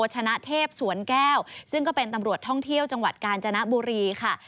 ชนะเทพสวนแก้วซึ่งก็เป็นตำรวจท่องเที่ยวจังหวัดกาญจนบุรีค่ะ